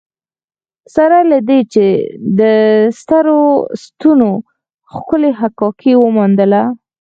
سره له دې یې د سترو ستنو ښکلې حکاکي وموندله.